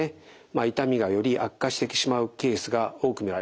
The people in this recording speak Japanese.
痛みがより悪化してしまうケースが多く見られます。